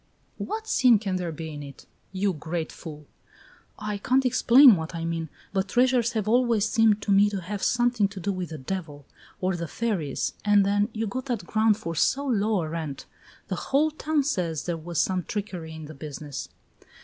"What sin can there be in it, you great fool?" "I can't explain what I mean, but treasures have always seemed to me to have something to do with the devil, or the fairies. And then, you got that ground for so low a rent! The whole town says there was some trickery in the business!"